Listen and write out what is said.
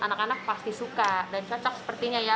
anak anak pasti suka dan cocok sepertinya ya